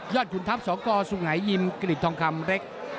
ยอดขุนทัพ๒กสุงหายยิมกริบทองคำเล็ก